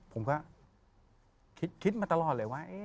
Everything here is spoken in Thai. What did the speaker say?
ผมก็คิดมาตลอดเลยว่า